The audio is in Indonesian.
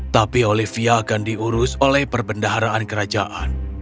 tapi olivia akan diurus oleh perbendaharaan kerajaan